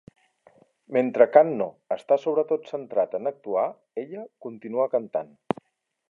Mentre Kanno està sobretot centrat en actuar, ella continua cantant.